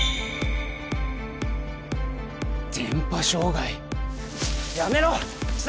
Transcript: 電波障害やめろ貴様